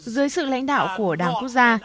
dưới sự lãnh đạo của đảng quốc gia